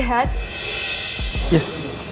ini gak terjadi